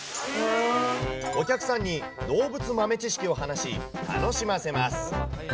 お客さんに動物豆知識を話し、楽しませます。